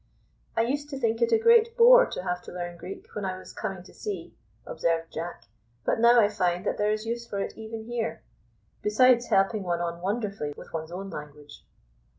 "I used to think it a great bore to have to learn Greek when I was coming to sea," observed Jack; "but now I find that there is use for it even here, besides helping one on wonderfully with one's own language."